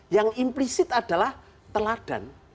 yang implisit adalah teladan